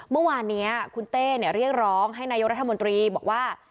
เมื่อวานนี้คุณเต้เรียกร้องให้นายกรัฐมนตรีบอกว่า